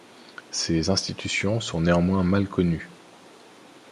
Ces institutions sont néanmoins mal connues.